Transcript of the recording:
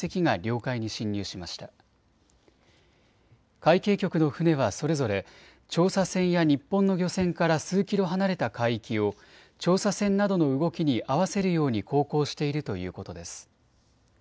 海警局の船はそれぞれ調査船や日本の漁船から数キロ離れた海域を調査船などの動きに合わせるように航行しているということです。